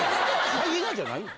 ハイエナじゃないの？